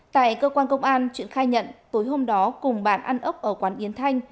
tại cơ quan công an truyện khai nhận tối hôm đó cùng bạn ăn ốc ở quán yến thanh